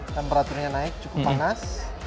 temperatur nya naik cukup panas